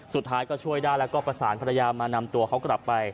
สุดท้ายก็ช่วยได้แล้วก็ประสานภรรยามานำตัวเขากลับไป